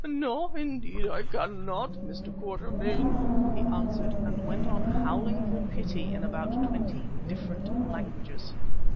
"No, indeed I cannot, Mr. Quatermain," he answered, and went on howling for pity in about twenty different languages.